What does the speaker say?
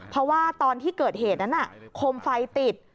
เพราะว่าตอนที่เกิดเหตุนั้นคมไฟติด